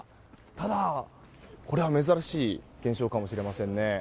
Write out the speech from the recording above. ただ、これは珍しい現象かもしれませんね。